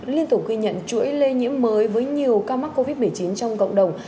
liên tục ghi nhận chuỗi lây nhiễm mới với nhiều ca mắc covid một mươi chín trong cộng đồng